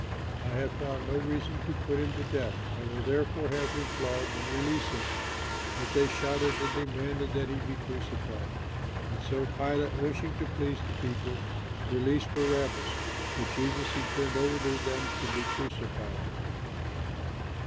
I have found no reason to put him to death. I will therefore have him flogged and then release him." But they shouted and demanded that he should be crucified. And so Pilate, wishing to please the people, released Barabbas, but Jesus he turned over to them to be crucified.